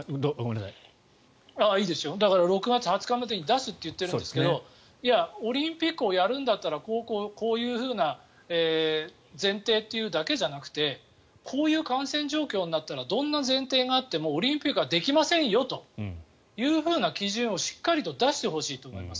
だから６月２０日までに出すと言っているんですけどオリンピックをやるんだったらこういうふうな前提というだけじゃなくてこういう感染状況になったらどんな前提があってもオリンピックはできませんよというふうな基準をしっかりと出してほしいと思います。